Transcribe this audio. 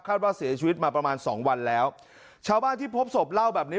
ว่าเสียชีวิตมาประมาณสองวันแล้วชาวบ้านที่พบศพเล่าแบบนี้